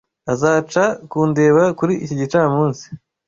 Azaza kundeba kuri iki gicamunsi.